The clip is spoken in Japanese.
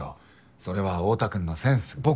それは太田君のセンスがさ。